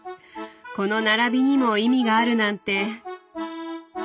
この並びにも意味があるなんて。